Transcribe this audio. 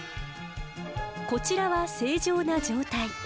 こちらは正常な状態。